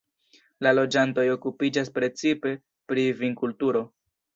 La loĝantoj okupiĝas precipe pri vinkulturo.